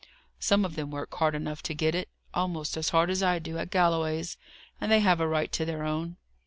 Some of them work hard enough to get it: almost as hard as I do at Galloway's; and they have a right to their own.